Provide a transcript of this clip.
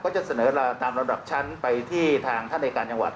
จะเสนอลาตามระดับชั้นไปที่ทางท่านในการจังหวัด